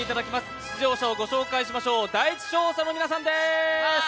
出場者を御紹介しましょう、第１走者の皆さんです。